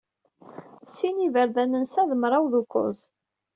Sin iberdan n sa d mraw d kuẓ.